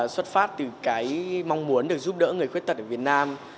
xuất phát từ cái mong muốn được giúp đỡ người khuyết tật ở việt nam